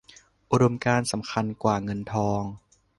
อุดมการณ์สำคัญกว่าเงินทอง